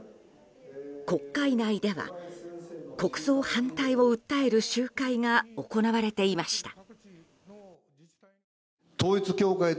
国会内では国葬反対を訴える集会が行われていました。